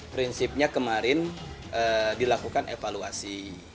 prinsipnya kemarin dilakukan evaluasi